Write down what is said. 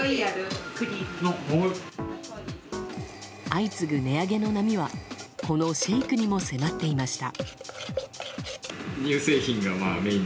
相次ぐ値上げの波はこのシェークにも迫っていました。